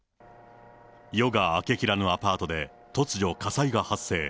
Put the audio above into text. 夜が明けきらぬアパートで突如、火災が発生。